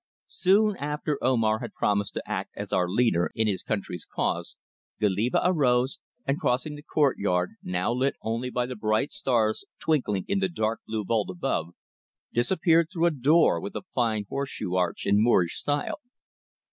Soon after Omar had promised to act as our leader in his country's cause, Goliba arose, and crossing the courtyard, now lit only by the bright stars twinkling in the dark blue vault above, disappeared through a door with a fine horse shoe arch in Moorish style.